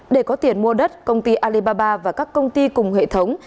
để có tiền mua đất công ty alibaba và các công ty cùng hệ thống